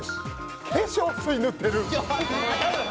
化粧水塗ってる。